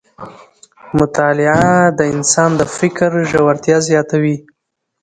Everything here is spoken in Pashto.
مطالعه د انسان د فکر ژورتیا زیاتوي